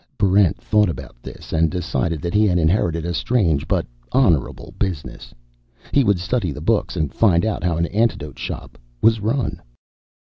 Barrent thought about this and decided that he had inherited a strange but honorable business. He would study the books and find out how an antidote shop was run.